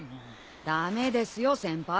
駄目ですよ先輩。